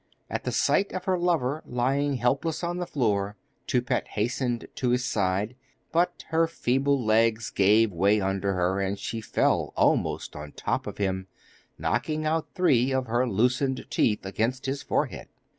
At the sight of her lover lying helpless on the floor, Toupette hastened to his side; but her feeble legs gave way under her, and she fell almost on top of him, knocking out three of her loosened teeth against his forehead.